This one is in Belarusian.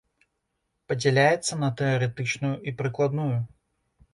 Падзяляецца на тэарэтычную і прыкладную.